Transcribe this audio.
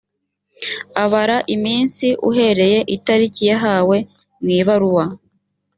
abara iminsi uhereye itariki yahawe mu ibaruwa.